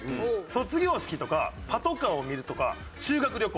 「卒業式」とか「パトカーを見る」とか「修学旅行」。